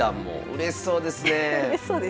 うれしそうですね。